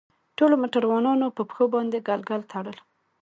ټولو موټروانانو په پښو باندې ګلګل تړل.